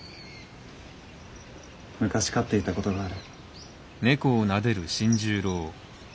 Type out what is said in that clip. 昔飼っていたことがある。